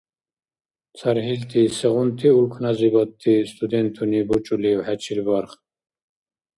ЦархӀилти сегъунти улкназибадти студентуни бучӀулив хӀечил барх?